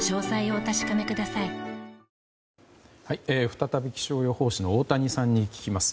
再び気象予報士の太谷さんに聞きます。